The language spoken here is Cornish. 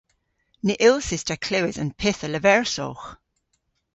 Ny yllsys ta klewes an pyth a leversowgh.